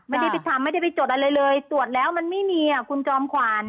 ไม่ได้ไปทำไม่ได้ไปจดอะไรเลยตรวจแล้วมันไม่มีอ่ะคุณจอมขวัญ